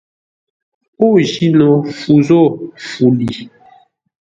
Ô jí no fu zô fu li.